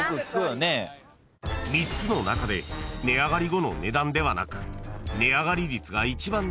［３つの中で値上がり後の値段ではなく］